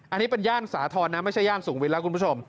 อันนี้เป็นย่านสาธรณ์นะไม่ใช่ย่านสูงวินแล้วคุณผู้ชม